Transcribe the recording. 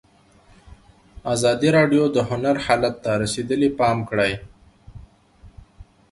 ازادي راډیو د هنر حالت ته رسېدلي پام کړی.